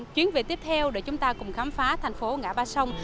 chuyến về tiếp theo để chúng ta cùng khám phá thành phố ngã ba sông